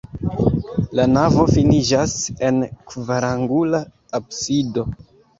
La navo finiĝas en kvarangula absido.